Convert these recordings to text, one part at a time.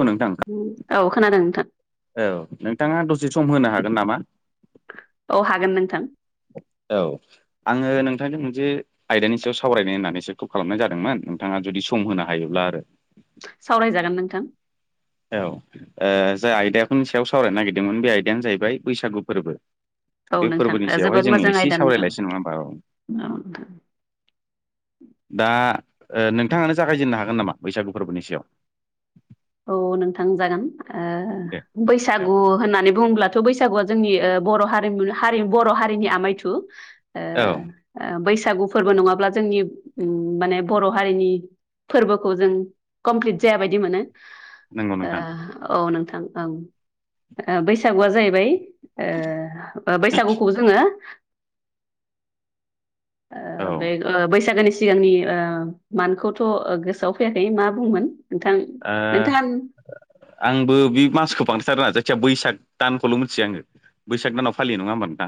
औ नोंथां औ खोनादों नोंथां औ नोंथाङा दसे सम होनो हागोन नामा। औ हागोन नोंथां। औ आङो नोंथांजों मोनसे आयदानि सायाव सावरायनाय होननानैसोखौ खालामनाय जादोंमोन नोंथाङा जुदि सम होनो हायोब्ला आरो सावरायजागोन नोंथां औ जाय आयदाफोरनि सायाव सावरायनो नागिरदोंमोन बे आयदायानो जाहैबाय बैसागु फोरबो औ बे नोंथां फोरबोनि सायावहाय जोबोद जों मोजां एसे आयदा नोंथां सावरायलायसै नङा होमबा औ नोंथां दा नोंथाङानो जागायजेननो हागोन नामा बैसागु फोरबोनि सायाव औ नोंथां जागोन दे बैसागु होननानै बुङोब्ला बैसागुआ जोंनि बर' हारिमु हारि बर' हारिनि आमायथु औ गु फोरबो नङाब्ला जोंनि माने उम बर' हारिनि फोरबोखौ जों कमप्लिट जायाबायदि मोनो नंगौ नोंथां ओ औ नोंथां ओं बैसागुआ जाहैबाय ओ बैसागुखौ जोङो औ ओ बे बैसागोनि सिगांनि मानखौथ' गोसोआव फैयाखै मा बुंङोमोन नोंथां नोंथां आंबो बे मासखौ बांदथार ना जायखिजया बैसाग दानखौल' मिथियो आङो बैसाग दानाव फालि नङा होनबा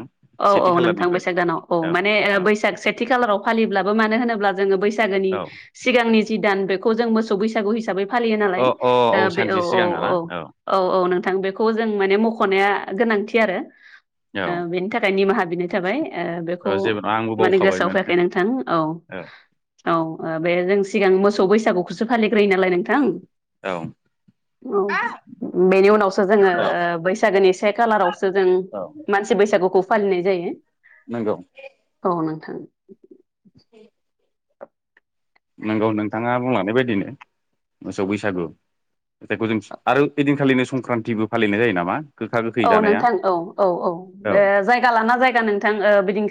औ औ नोंथां बैसाग दानाव औ माने औ बैसाग सेथि खालाराव फालिब्लाबो मानो होनोब्ला जोङो बैसाग नि औ सिगांनि जि दान बेखौ जों मोसौ बैसागु हिसाबै फालियो अ नालाय अ बे सानसे औ औ सिगाङा ना औ औ औ नों बेखौ जों माने मख'नाया गोनांथि आरो औ फथायनि माहा बिनाय थाबाय बेखौ औ जेबो नङा आंबो माने गोसोआव बावखाबायमोन फैयाखै नोंथां औ औ बे जों सिगां मोसौ बैसागुखौसो फालिग्रोयो नालाय नोंथां औ औ बेनि उनावसो जोङो बैसागोनि से खालारावसो जों औ मानसि बैसागुखौ फालिनाय जायो नंगौ औ नोंथां औ नंगौ नोंथाङा बुंलानाय बायदिनो मोसौ बैसागु जायखौ जों आरो ओयदिनखालिनो संक्रान्तिबो फालिनाय जायो नामा गोखा गोखै औ जानाया नोंथां औ औ औ बे जायगा लाना जायगा नोंथां बिदि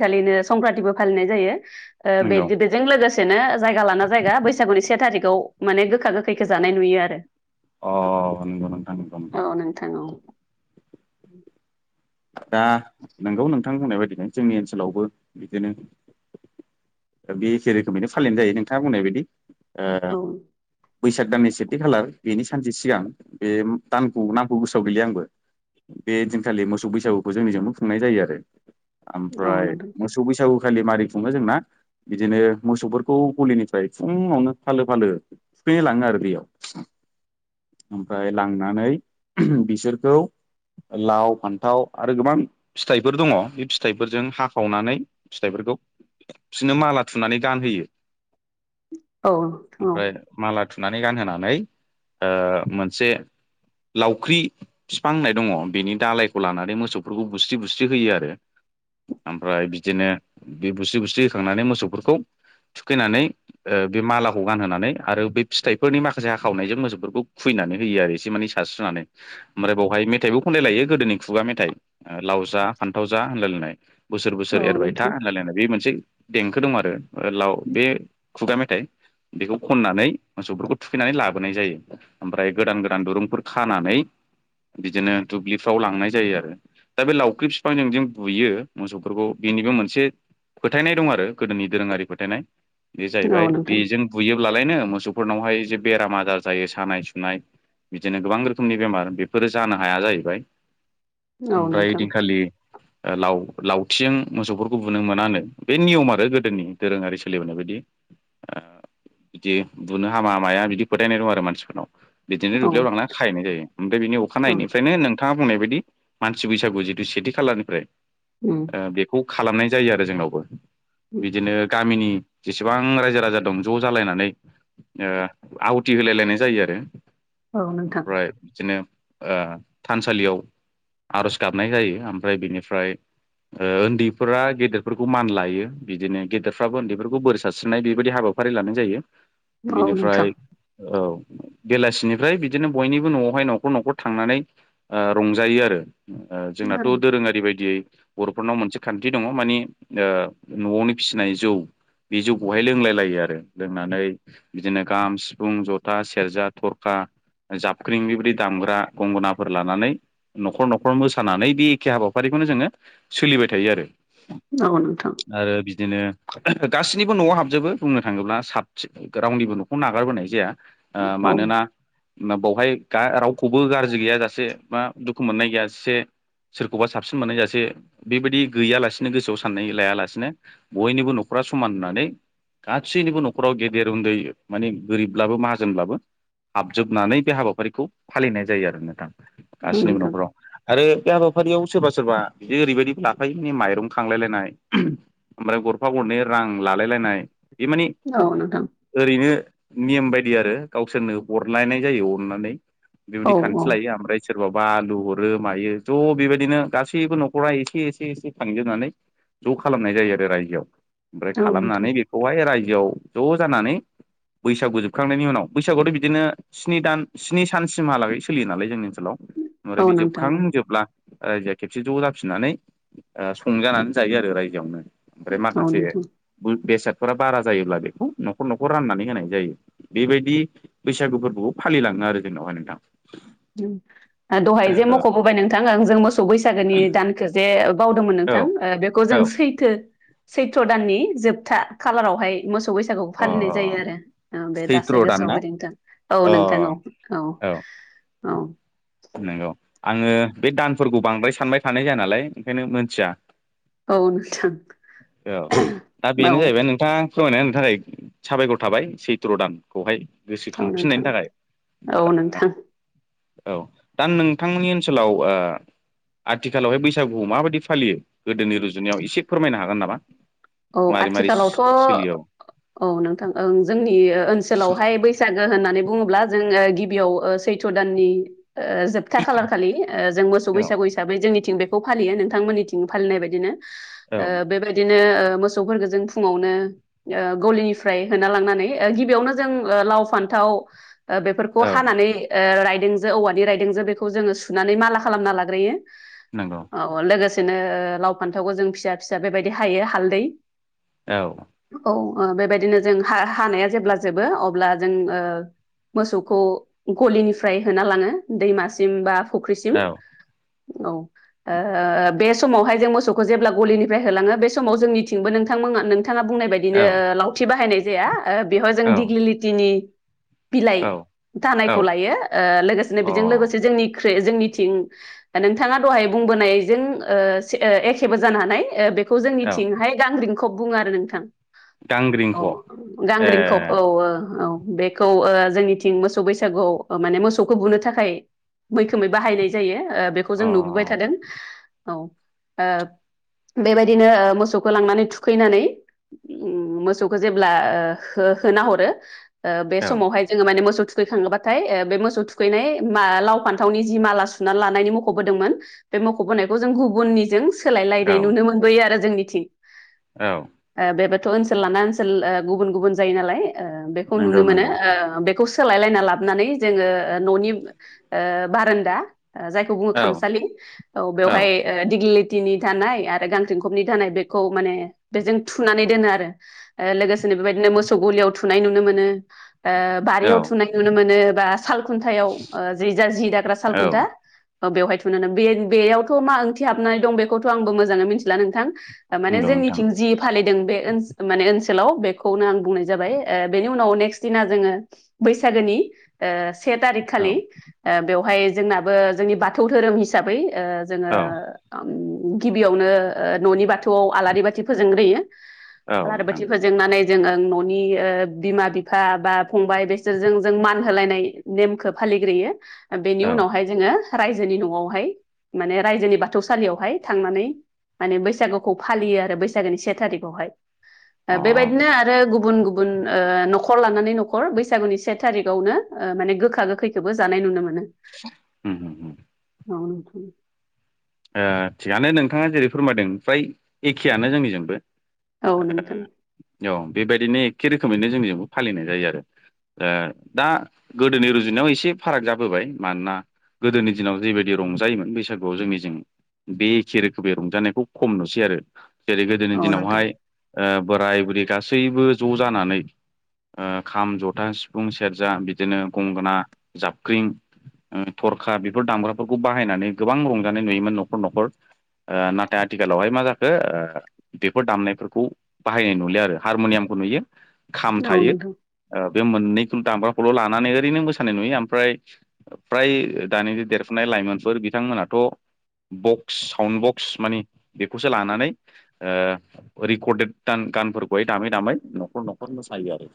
संक्रान्तिबो फालिनाय जायो नंगौ बेजों लोगोसे जायगा लाना जायगा बैसागुनि से थारिखआव माने गोखा गोखैखौ जानाय नुयो आरो अ नंगौ नोंथां दं औ नोंथां औ दा नोंगौ नोंथां होननाय बायदिनो जोंनि ओनसोलावबो बिदिनो बे एखे रोखोमैनो फालिनाय जायो नोंथाङा बुंनाय बायदि ओ औ बैसाग दाननि सेथि खालार बेनि सानसे सिगां बे दानखौ नामखौ गोसोआव गैया आंबो बे दिनखालि मोसौ बैसागुखौ जोंनिजोंनो खुंनाय जायो आरो औ ओमफ्राय नोंथां मोसौ बैसागुखौ खालि मारै खुङो जोंना बिदिनो मोसौफोरखौ गलिनिफ्राय फुङावनो फालो फालो थुखैनो लाङो आरो दैयाव ओमफ्राय लांनानै बिसोरखौ लाव फान्थाव आरो गोबां फिथाइफोर दङ बे फिथाइफोरजों हाखावनानै फिथाइफोरखौ बिसोरनो माला थुनानै गानहोयो। औ औ बुथुनानै गानहोनानै मोनसे लावख्रि बिफां होननाय दङ बेनि दालायखौ लानानै मो सौफोरखौ बुस्रि बुस्रि होयो आरो। ओमफ्राय बिदिनो बे बुस्रि बुस्रि होखांनानै मोसौफोरखौ थुखैनानै ओ बे मालाखौ गानहोनानै आरो बे फिथाइफोरनि माखासे हाखावनायजों मोसौफोरखौ खु नानै होयो आरो एसे माने सारस्रोनानै ओमफ्राय बेवहाय मेथाइबो खनलाय लायो गोदोनि खुगा मेथाइ ओ लाव जा फान्थाव जा होनलायलायनाय बोसोर औ बोसोर एरबाय था नोंथां। होनलायलायनाय बे मोनसे देंखो दं आरो ओ लाव बे खुगा मेथाइ बेखौ खननानै मोसौफोरखौ थुखैनानै लाबोनाय जायो ओमफ्राय गोदान गोदान दुरुंफोर खानानै बिदिनो दुब्लिफ्राव लांनाय जायो आरो दा बे लावख्रि बिफांजों जि बुयो मोसौफोरखौ बिनिबो मोनसे फोथायनाय दं आरो गोदोनि दोरोङारि फोथायनाय बे औ जाहैबाय नोंथां बेजों बुयो ब्लालायनो मोसौफोरनावहाय जे बेराम आजार जायो सानाय सुनाय बिदिनो गोबां रोखोमनि बेमार बेफोरो जानो हाया जाहैबाय। औ नोंथां। ओ लाव लावथिजों मोसौफोरखौ बुनो मोनानो बे नियम आरो गोदोनि दोरोङारि सोलिबोनाय बायदि [unintelligible] बिदि बुनो हामा माया बिदि फोथायनाय दं आरो मानसिफोरनाव बिदिनो औ दुब्लियाव लांना खाहैनाय जायो ओमफ्राय बिनि अखानायैनिफ्रायनो नोंथाङा बुंनाय बायदि मानसि बैसागु जिथु सेथि खालारनिफ्राय उम ओ बेखौ खालामनाय जायो आरो जोंनावबो। बिदिनो गामिनि जेसेबां रायजो राजा दं ज' जालायनानै ओ आवथि होलायलायनाय जायो आरो औ नोंथां ओमफ्राय बिदिनो ओ थानसालियाव आर'ज गाबनाय जायो ओमफ्राय बिनिफ्राय ओ उन्दैफोरा गेदेरफोरखौ मान लायो बिदिनो गेदेरफ्राबो उन्दैफोरखौ बोर सारस्रिनाय बेबायदि हाबा फारि लानाय जायो औ नोंथां। बिनिफ्राय औ बेलासिनिफ्राय बिदिनो बयनिबो न'आवहाय न'खर न'खर थांनानै ओ रंजायो आरो ओ जोंनाथ' दोरोङारि बायदियै बर'फोरनाव मोनसे खान्थि दङ माने ओ न'आवनो फिसिनाय जौ बे जौखौहाय लोंलाय लायो आरो लोंनानै बिदिनो गाम सिफुं जथा सेरजा थरखा जाबख्रिं बेबायदि दामग्रा गंगनाफोर लानानै न'खर न' खर मोसानानै बि एखे हाबाफारिखौनो जोङो सोलिबाय थायो आरो। औ नोंथां आरो बिदिनो गासिनिबो न'आव हाबजोबो बुंनो थाङोब्ला साबसिन रावनिबो न'खौ नागारबोनाय जाया। ओ औ मानोना बावहाय रावखौबो गाज्रि गैया जासे बा दुखु मोननाय गैया जा से सोरखौबा साबसिन मोननायजासे बेबायदि गैयालासिनो गोसोआव साननाय लायालासिनो बयनिबो न'खराव समान होननानै गासैनिबो न'खराव गेदेर उन्दै माने गोरिबब्लाबो माहाजोनब्लाबो हाबजोबनानै बे हाबाफारिखौ फालिनाय जायो आरो नोंथां गासिनिबो नोंथां न'खराव आरो बे हाबाफारियाव सोरबा सोरबा बिदि ओरैबायदि लाफायो मे माइरं खांलायलायनाय ओमफ्राय गरफा गरनै रां लालायलायनाय बे माने औ नोंथां ओरैनो नियम बायदि आरो गावसोरनो हरलायनाय जायो अननानै औ बेबायदि खान्थि औ लायो ओमफ्राय सोर बाबा आलु हरो मायो ज' बेबायदिनो गासैबो न'खरा एसे एसे एसे खांजोबनानै ज' खालामनाय जायो आरो रायजोआव ओमफ्राय औ नोंथां खालामनानै बेखौहाय रायजोआव ज' जानानै बैसागु जोबखांनायनि उनाव बैसागुआथ' बिदिनो स्नि दान स्नि सानसिमहालागै सोलियो नालाय जोंनि ओनसोलाव। ओमफ्राय औ बे नोंथां औ जोबखांजोबला ओ जाय। खेबसे ज' जाफिननानै ओ संजानानै जायो आरो रायजोआवनो। ओमफ्राय औ माखासे नोंथां बु बेसाद। फोरा बारा जायोब्ला बेखौ न'खर-न'खर राननानै होनाय जायो बेबायदि बैसागु फोरबोखौ फालिलाङो। ना आरो जोंनावहाय नोंथां। दहाय जे मख'बोबाय नोंथांं जों मोसौ बैसागोनि दानखौ जे। बावदोंमोन औ नोंथां ओ बेखौ जों औ सैथो। सैथ्र' दाननि जोबथा खालारावहाय मोसौ बैसा। औ अ फालिनाय जायो आरो उम बे दासो सैथ्र' दान गोसोआव ना फैदों नोंथां औ अ नोंथां औ औ-औ। औ। नंगौ आङो बे दानफोरखौ बांद्राय सानबाय थानाय जाया नालाय ओंखायनो मोनथिया। औ नोंथां औ दा औ बेनो जाहैबाय नोंथां। फोरमायना होनायनि थाखाय साबायखर थाबाय सैथ्र' दानखौहाय। औ गोसोखांफिननायनि नोंथां थाखाय। औ नोंथां औ दा आं नोंथांमोननि ओनसोलाव ओ। आथिखालावहाय बैसागुआव माबायदि फालियो गोदोनि रुजुनायाव एसे फोरमायनो हागोन नामा? औ मारै मारै आथिखालावथ'। सोलियो औ नोंथां ओं जोंनि ओनसोलावहाय बैसागो होननानै। बुङोब्ला जोंङो गिबियाव सैथ' दाननि। ओ जोबथा खालार खालि ओ जों मोसौ औ बैसागु हिसाबै जोंनिथिं बे। खौ फालियो नोंथांमोननिथिं फालिनाय बायदिनो औ ओ बेबायदिनो ओ। मोसौफोरखौ जों फुङावनो ओ गलिनिफ्राय होना लांनानै ओ गिबियावनो जों ओ लाव, फान्थाव। औ। ओ बेफोरखौ औ हानानै ओ रायदोंजों औवानि रायदोंजों बेखौ जोङो सुनानै माला खालामना लाग्रोयो। नंगौ औ लोगोसेनो ओ लाव, फान्थावखौ जों फिसा-फिसा बेबायदि हायो हालदै। औ‌। औ ओ बेबायदिनो जों हा-हानाया जेब्ला जोबो अब्ला जों ओ। मोसौखौ गलिनिफ्राय होना लाङो दैमासिम बा फुख्रिसिम। औ औ ओ बे समावहाय जों मोसौखौ जेब्ला गलिनिफ्राय होलाङो बे समाव जोंनि। थिंबो नोंथांमोना नोंथाङा बुंनाय बायदिनो लावथि बाहायनाय जाया ओ बेवहाय औ जों दिगलिलिटिनि। बिलाइ औ दानायखौ अ लायो ओ लोगोसेनो बेजों लोगोसे जोंनि। जोंनिथिं नोंथाङा दहाय बुंबोनायजों ओ-ओ एखेबो जानो हानाय ओ बे। बेखौ औ जोंनिथिंहाय गांग्रिंखब बुङो आरो नोंथां। औ गांग्रिंख' ए गांग्रिंखब औ ओ औ। बेखौ ओ जोंनिथिं मोसौ बैसागुआव माने मोसौखौ बुनो थाखाय। मैखोमै बाहायनाय जायो। ओ बेखौ जों अ नुबोबाय थादों औ ओ बेबायदिनो ओ मोसौ। खौ लांनानै थुखैनानै मोसौखौ जेब्ला ओ होना हरो। ओ बे औ समावहाय जोङो माने मोसौ थु। थुखैखाङोबाथाय ओ बे मोसौ थुखैनाय मां लाव, फान्थावनि जि माला सुनानै लानायनि मख'बोदोंमोन। बे मख'बोनायखौ जों गुबुननिजों। औ सोलायलायनाय नुनो मोनबोयो आरो जोंनिथिं औ ओ बे बा। ओनसोल लाना ओनसोल ओ गुबुन-गुबुन जायो नालाय ओ बेखौ नुनो नंगौ मोनो नंगौ ओ बेखौ। सोलायलायना लाबोनानै जोङो ओ न'नि ओ बारान्दा। ओ जायखौ बुङो औ खामसालि औ बेवहाय ओ दिग्लिलि। टि नि धानाय आरो गांग्रिखबनि धानाय बे। खौ माने बेजों थुनानै दोनो आरो ओ लोगोसेनो बेबायदिनो मोसौ गलियाव थुनाय नुनो मोनो। ओ औ बारियाव थुनाय नुनो मोनो बा साल खुन्थायाव ओ जि जा जि दाग्रा औ सालखुन्था। ओ बेवहाय थुनानै बे बेयावथ' मा ओंथि हाबनानै दं बेखौथ' आंबो मोजाङै मिथिला नोंथां। माने नंगौ नोंथां जोंनिथिं जि फालिदों बे ओनसो माने ओनसो। हेल' बेखौनो आं बुंनाय जाबाय ओ बेनि उनाव नेक्स्ट दिना जोङो बैसागोनि ओ से थारिख औ खालि ओ बेवहाय जोंनाबो जोंनि बाथौ धोरोम हिसाबै ओ जोङो औ उम गिबियावनो न'नि बाथौआव आलारि बाथि फोजोंग्रोयो औ लारि नोंथां बाथि फोजोंनानै जोङो न'नि ओ बिमा बिफा बा फंबाय बिसोरजों जों मान होलायनाय नेमखौ फालि फालिग्रोयो बेनि औ उनावहाय जोङो रायजोनि न'आवहाय माने रायजोनि बाथौसालियावहाय थांनानै माने बैसागु खौ फालियो आरो बैसागोनि से थारिकावहाय अ बेबायदिनो आरो गुबन गुन ओ- न'खर लानानै न'खर बैसागुनि से थारिखावनो ओ- माने गोखा गोखैखौबो जानाय नुनो मोनो [unintelligible] [inaudible] [unintelligible] [inaudible] ओ- थिगानो नोंथाङा जेरै फोरमायदों फ्राय एखेयानो जोंनिजोंबो औ- नोंथां। औ- बेबायदिनो एखे रोखोमैनो जोंनि जोंबो फालिनाय जायो आरो। ओ- दा- गोदोनि रुजुनायाव एसे फाराग जाबोबाय मानोना गोदोनि दिनाव जेबायदि रंजायोमोन बैसागुआव जोंनि जों बे एखे रोखोमै रंजानायखौ खम नुसै आरो जेरै गोदोनि औ नोंथां दिनावहाय ओ- बोराय बुरै गासैबो ज' जानानै ओ- खाम जथा सिफुं सेरजा बिदिनो गंगोना जाबख्रिं ओ- थरखा बेफोर दामग्राफोरखौ बाहायनानै गोबां रंजानाय नुयोमोन न'खर न'खर ओ- नाथाय आथिखालावहाय मा जाखो ओ- बेफोर दामनायफोरखौ बाहायनाय नुलि आरो हारमुनियामखौ नुयो खाम औ थायो नोंथां ओ- बे मोननैखौ दामग्राखौल' लानानै ओरैनो मोसानाय नुयो ओमफ्राय फ्राय दानि देरफुनाय लाइमोनफोर बिथांमोनाथ' बक्स साउन्ड बक्स मानिे बेखौसो लानानै ओ- रिकर्डेड गान फोरखौहाय दामै दामै न'खर न'खर मोसायो आरो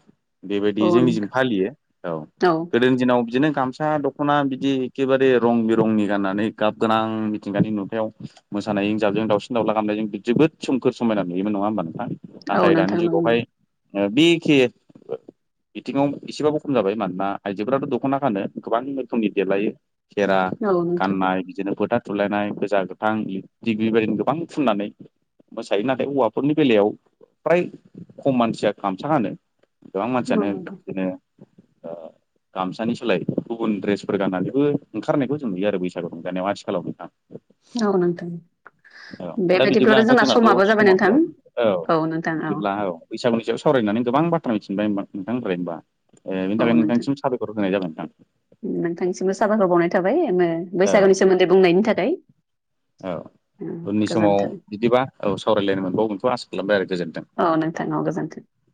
औ बेबायदि जोंनिजों नोंथां फालियो औ- औ गोदोनि दिनाव बिदिनो गामसा दख'ना बिदि एखेबारे रं बिरंनि गाननानै गाब गोनां मिथिंगानि नुथायाव मोसानाय हंजाबजों दावउसिन दावला गामनायजों जोबोद सोमखोर समायना नुयोमोन नङा होमबा नोंथां। नोंथां औ नाथाय दानि नोंथां औ जुगावहाय नोंथां ओ- बेखे बिथिङाव एसेबा बुखम जाबाय मानोना आइजोफोराथ' दख'ना खानो गोबां रोखोमनि देरलायो खेरा औ गाननाय बिदिनो फोथा थुलायनाय गोजा गोथां दिडिग्रि बदिनो गोबां फुननानै मोसायो नाथाय हौवाफोरनि बेलायाव फ्राय खम मानसिया गामसा गानो गोबां नोंथां मानसियानो [unintelligible] ओ [inaudible] गामसानि सोलाय गुबुन दड्रेसफोर गाननानैबो ओंखारनायखौ जों नुयो आरो बैसागु रंजानायाव आथिखालाव नोंथां औ- नोंथां। औ- दा बिदिब्ला बेबायदिब्लाथ' नोंथां जोंना दा समाबो जाबाय समावो नोंथां जाबाय औ- बिदिब्ला औ- बैसागनि सायाव सावरायनानै गोबां बाथ्रा मिथिनबाया नोंथांनिफ्राय हबा ओ- बेनि औ थाखाय नोंथां नोंथांसिम साबायखर होनाय जागोन नोंथां। नोंथांनिसिमबो सााबायखर बावनाय थाबाय ओ- औ बैसागोनि सोमोन्दै बुंनायनि थाखाय। औ-। उननि समाव गोजोन्थों बिदिबा औ- सावरायलायनो मोनबावगोनथ' आसा खालामबाय आरो गोजोनथों। [unintelligible] गोजोनथों।